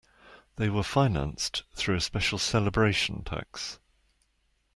They were financed through a special celebration tax.